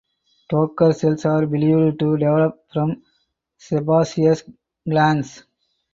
Toker cells are believed to develop from sebaceous glands.